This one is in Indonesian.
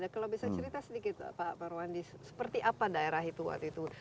kalau bisa cerita sedikit pak parwandi seperti apa daerah itu waktu itu